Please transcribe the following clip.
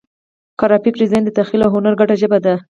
ګرافیک ډیزاین د تخیل او هنر ګډه ژبه ده.